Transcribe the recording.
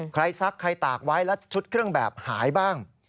ซักใครตากไว้แล้วชุดเครื่องแบบหายบ้าง